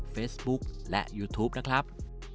เฟซบุ๊คและยูทูปนะครับ